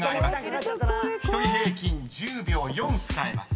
［１人平均１０秒４使えます］